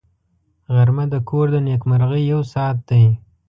غرمه د کور د نېکمرغۍ یو ساعت دی